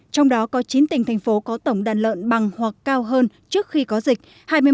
trong đó có chín tỉnh thành phố có tổng đàn lợn bằng hoặc cao hơn trước khi có dịch